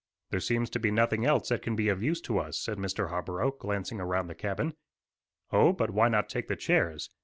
"There seems to be nothing else that can be of use to us," said Mr. Harborough, glancing around the cabin. "Oh, but why not take the chairs?